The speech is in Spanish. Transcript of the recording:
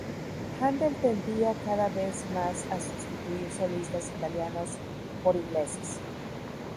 Händel tendía cada vez más a sustituir solistas italianos por ingleses.